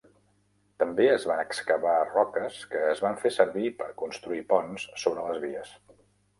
També es van excavar roques que es van fer servir per construir ponts sobre les vies.